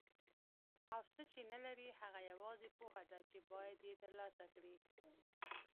او څه چې نه لري هغه یوازې پوهه ده چې باید یې ترلاسه کړي.